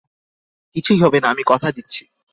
কিছুই হবেনা, আমি কথা দিচ্ছি।